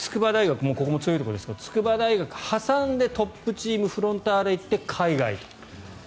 ここも強いところですが筑波大学を挟んでトップチームフロンターレ行って海外へと。